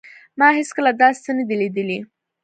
ما هیڅکله داسې څه نه دي لیدلي